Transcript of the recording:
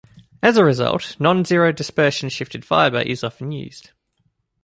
As a result, nonzero dispersion shifted fiber is often used.